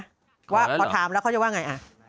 ขอแล้วหรอขอแล้วหรอว่าพอถามแล้วเขาจะว่าไงอ่ะ